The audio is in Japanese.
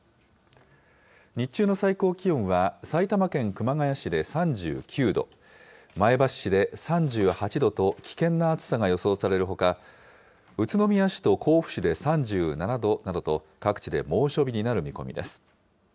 日中の最高気温は、埼玉県熊谷市で３９度、前橋市で３８度と、危険な暑さが予想されるほか、宇都宮市と甲府市で３７度などと、各地で猛暑日になる見込みです。